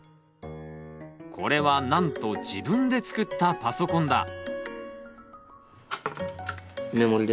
これはなんと自分で作ったパソコンだ。